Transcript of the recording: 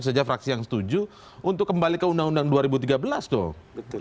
sejak fraksi yang setuju untuk kembali ke undang undang dua ribu tiga belas tuh